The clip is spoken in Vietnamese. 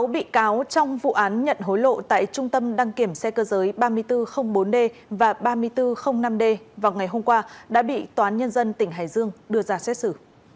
sáu bị cáo trong vụ án nhận hối lộ tại trung tâm đăng kiểm xe cơ giới ba nghìn bốn trăm linh bốn d và ba nghìn bốn trăm linh năm d vào ngày hôm qua đã bị toán nhân dân tỉnh hải dương đưa ra xét xử